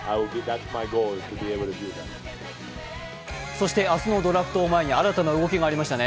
そして明日のドラフトを前に新たな動きがありましたね。